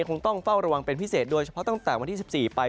คงต้องเฝ้าระวังเป็นพิเศษโดยเฉพาะตั้งแต่วันที่๑๔ไป